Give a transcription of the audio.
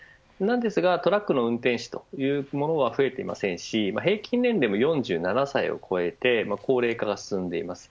トラックの運転手は増えていませんし平均年齢も４７歳を超えて高齢化が進んでいます。